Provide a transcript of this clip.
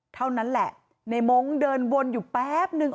เท่านั้นแหละในมงค์เดินวนอยู่แป๊บนึง